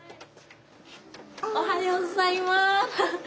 おはようございます。